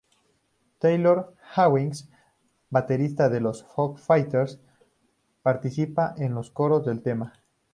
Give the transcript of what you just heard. Taylor Hawkins, baterista de Foo Fighters participa en los coros del tema.